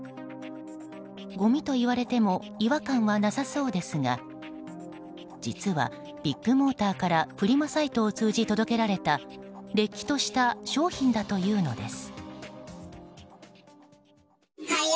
ごみといわれても違和感はなさそうですが実は、ビッグモーターからフリマサイトを通じ、届けられたれっきとした商品だというのです。